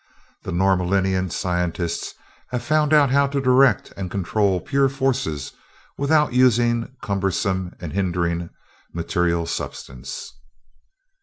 The Norlaminian scientists have found out how to direct and control pure forces without using the cumbersome and hindering material substance...."